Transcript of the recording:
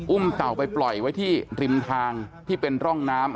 เต่าไปปล่อยไว้ที่ริมทางที่เป็นร่องน้ำ